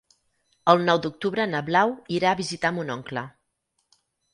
El nou d'octubre na Blau irà a visitar mon oncle.